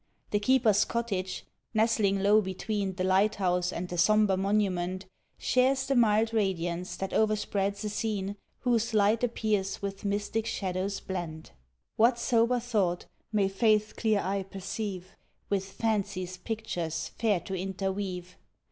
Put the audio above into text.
The keeper's cottage, nestling low between The light house and the sombre monument, Shares the mild radiance that o'erspreads a scene Whose light appears with mystic shadows blent. What sober thought may Faith's clear eye perceive With Fancy's pictures fair to interweave?